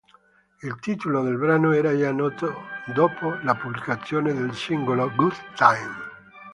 Il titolo del brano era già noto dopo la pubblicazione del singolo "Good Time".